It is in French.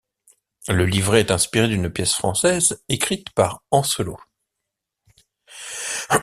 Le livret est inspiré d'une pièce française, écrite par Ancelot.